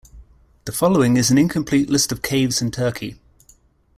The following is an incomplete list of caves in Turkey.